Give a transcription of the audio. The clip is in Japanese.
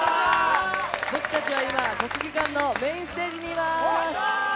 僕たちは今、国技館のメインステージにいます。